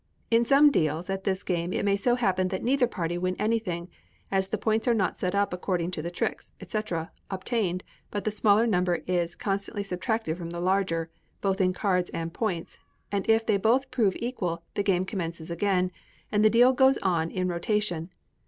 In some deals at this game it may so happen that neither party win anything, as the points are not set up according to the tricks, &c., obtained, but the smaller number is constantly subtracted from the larger, both in cards and points; and if they both prove equal, the game commences again, and the deal goes on in rotation.